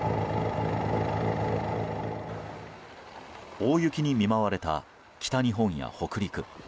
大雪に見舞われた北日本や北陸。